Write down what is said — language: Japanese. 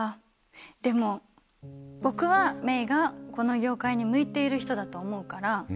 でも、僕は、芽郁がこの業界に向いている人だと思うから。